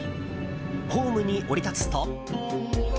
ホームに降り立つと。